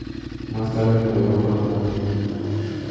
Más tarde, navegó por el mar Negro.